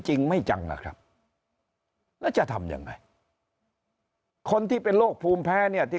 จริงไม่จังล่ะครับแล้วจะทำยังไงคนที่เป็นโรคภูมิแพ้เนี่ยที่